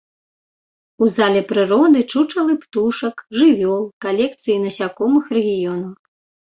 У зале прыроды чучалы птушак, жывёл, калекцыі насякомых рэгіёну.